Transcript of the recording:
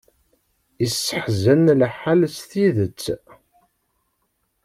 Iseḥzan lḥal s tidet.